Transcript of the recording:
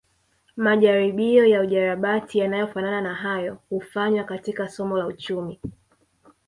Majaribio ya ujarabati yanayofanana na hayo hufanywa katika somo la uchumi